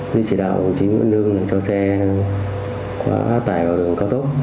thì chỉ đạo của chính nguyễn văn hưng là cho xe quá tải vào đường cao tốc